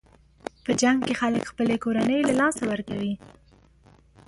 په جنګ کې خلک خپلې کورنۍ له لاسه ورکوي.